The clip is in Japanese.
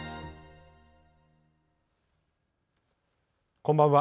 こんばんは。